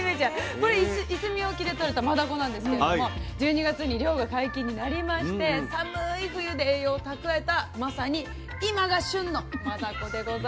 これいすみ沖でとれたマダコなんですけれども１２月に漁が解禁になりまして寒い冬で栄養をたくわえたまさに今が旬のマダコでございます。